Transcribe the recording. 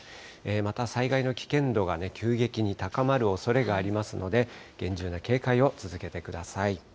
また災害の危険度が急激に高まるおそれがありますので、厳重な警戒を続けてください。